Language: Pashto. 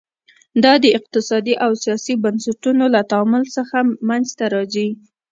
دا د اقتصادي او سیاسي بنسټونو له تعامل څخه منځته راځي.